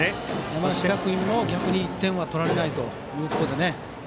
山梨学院も逆に１点は取られないというところで。